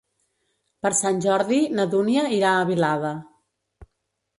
Per Sant Jordi na Dúnia irà a Vilada.